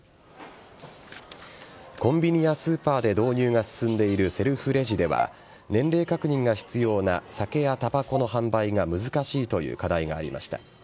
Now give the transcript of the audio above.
コンビニやスーパーで導入が進んでいるセルフレジでは年齢確認が必要な酒やたばこの販売が難しいという課題がありました。